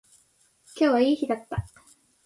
今日はいい日だった